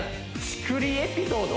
チクリエピソード？